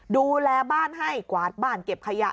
ดูแลบ้านให้กวาดบ้านเก็บขยะ